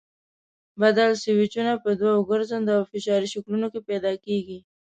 بدل سویچونه په دوو ګرځنده او فشاري شکلونو کې پیدا کېږي.